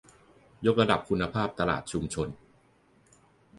ยกระดับคุณภาพตลาดชุมชน